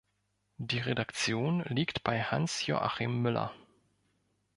Die Redaktion liegt bei Hans-Joachim Müller.